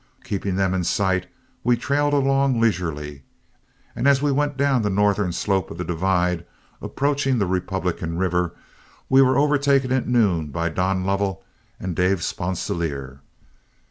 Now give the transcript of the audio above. Keeping them in sight, we trailed along leisurely, and as we went down the northern slope of the divide approaching the Republican River, we were overtaken at noon by Don Lovell and Dave Sponsilier.